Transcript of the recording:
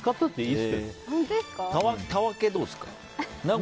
たわけはどうですか？